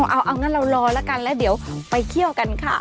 เอางั้นเรารอแล้วกันแล้วเดี๋ยวไปเที่ยวกันค่ะ